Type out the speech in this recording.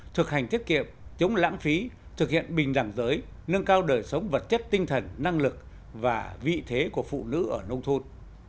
thực hành tiết kiệm chống lãng phí thực hiện bình đẳng giới nâng cao đời sống vật chất tinh thần năng lực và vị thế của phụ nữ ở nông thôn